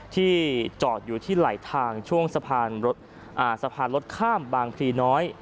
ที่จอดอยู่ที่ไหลทางช่วงสะพานรถข้ามบางพลีน้อย